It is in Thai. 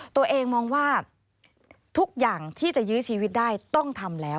ตัวเองมองว่าทุกอย่างที่จะยื้อชีวิตได้ต้องทำแล้ว